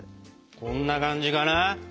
こんな感じかな？